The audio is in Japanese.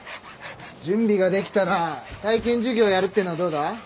準備ができたら体験授業やるっていうのはどうだ？